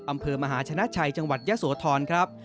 อำเภอมหาชนะชัยจังหวัดยะโสธรครับ